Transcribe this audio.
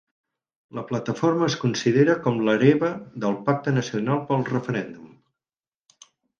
La plataforma es considera com l'hereva del Pacte Nacional pel Referèndum.